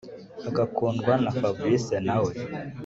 agakundwa na fabric nawe